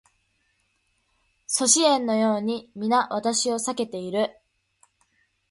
阻止円のように皆私を避けている